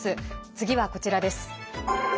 次はこちらです。